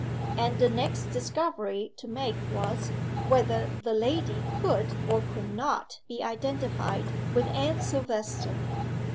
And the next discovery to make was, whether "the lady" could, or could not, be identified with Anne Silvester.